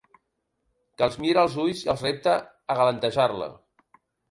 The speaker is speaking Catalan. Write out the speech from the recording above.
Que els mira als ulls i els repta a galantejar-la.